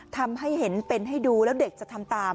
ทำให้เห็นเป็นให้ดูแล้วเด็กจะทำตาม